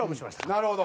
なるほど。